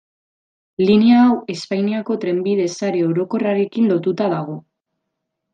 Linea hau Espainiako trenbide sare orokorrarekin lotuta dago.